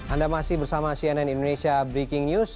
anda masih bersama martian yangwi key news